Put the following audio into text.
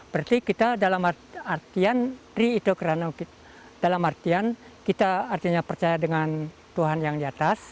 berarti kita dalam artian trihidokrano dalam artian kita artinya percaya dengan tuhan yang di atas